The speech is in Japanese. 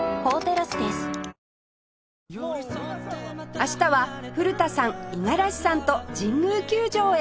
明日は古田さん五十嵐さんと神宮球場へ